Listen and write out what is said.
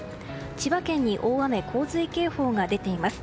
千葉県に大雨・洪水警報が出ています。